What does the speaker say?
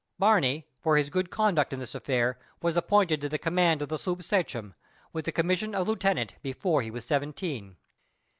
Barney for his good conduct in this affair, was appointed to the command of the sloop Sachem, with the commission of lieutenant before he was seventeen.